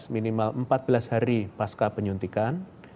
minimal empat belas hari pasca penyuntikan